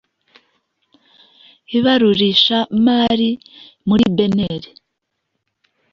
ibarurisha mari muri beneri